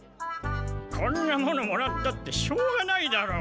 こんなものもらったってしょうがないだろう。